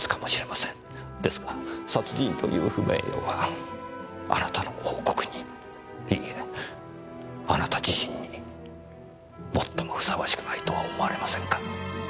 ですが殺人という不名誉はあなたの王国にいいえあなた自身に最もふさわしくないとは思われませんか？